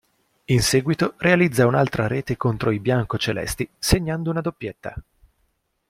In seguito realizza un'altra rete contro i biancocelesti segnando una doppietta.